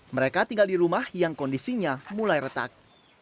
mereka tinggal di rumah yang kondisinya mulai retak